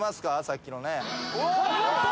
さっきのね。